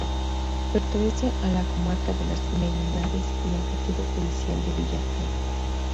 Pertenece a la comarca de Las Merindades y al partido judicial de Villarcayo.